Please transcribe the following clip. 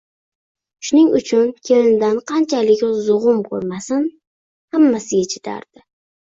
Shuning uchun kelinidan qanchalik zug`um ko`rmasin, hammasiga chidardi